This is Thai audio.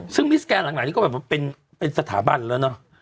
ซึ่งมิสแกรมหลังนี้ก็เป็นสถาบันแล้วเนอะ